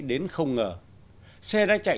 đến không ngờ xe ra chạy